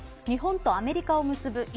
日本とアメリカ結ぶ